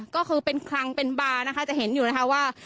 ก็คือเป็นคลังเป็นบาร์นะคะจะเห็นอยู่นะคะว่า